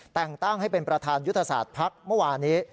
แต่งตั้งให้เป็นประธานยุทธศาสตร์ภักดิ์เมื่อวานี้